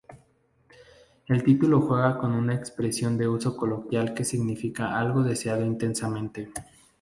El título juega con una expresión de uso coloquial que significa algo deseado intensamente.